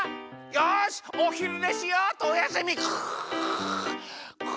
よしおひるねしようっとおやすみググ。